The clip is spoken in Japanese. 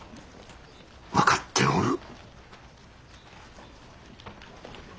分かっておる。